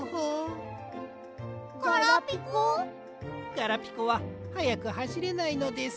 ガラピコははやくはしれないのです。